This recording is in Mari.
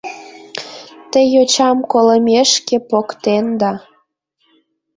— Те йочам колымешке поктенда.